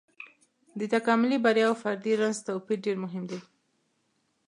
د تکاملي بریا او فردي رنځ توپير ډېر مهم دی.